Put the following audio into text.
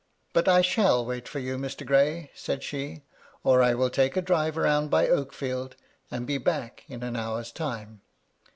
"But I shall wait for you, Mr. Gray," said she. "Or I will take a drive round by Oakfield, and be back in an hour's time."